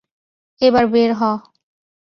এবার, বের হ।